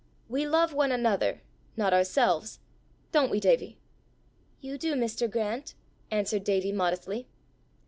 We love one another, not ourselves don't we, Davie?" "You do, Mr. Grant," answered Davie modestly.